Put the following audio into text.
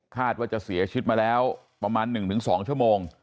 คาดว่าจะเสียชิดมาแล้วประมาณ๑ถึง๒ช้าโมง